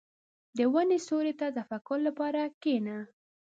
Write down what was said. • د ونې سیوري ته د تفکر لپاره کښېنه.